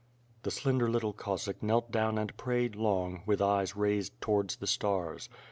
The slender little Cossack knelt down and prayed long, with eyes raised towards the stars.